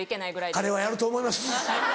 彼はやると思います！